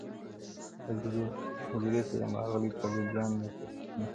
حجرې ته یم راغلې طالب جان مي پکښي نسته-